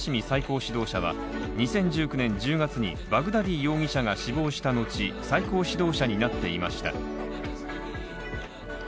最高指導者は、２０１９年１０月にバグダディ容疑者が死亡したのち最高指導者になっていました。